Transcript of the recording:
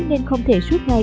nên không thể suốt ngày